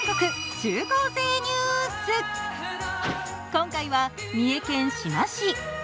今回は、三重県志摩市。